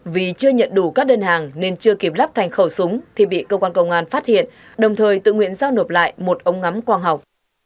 vì chưa nhận đủ các đơn hàng nên chưa kịp lắp thành khẩu súng thì bị cơ quan công an phát hiện đồng thời tự nguyện giao nộp lại một ống ngắm quang học